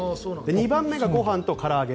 ２番目がご飯とから揚げ。